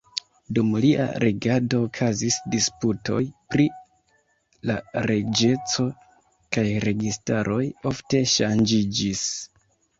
Dum lia regado okazis disputoj pri la reĝeco, kaj registaroj ofte ŝanĝiĝis.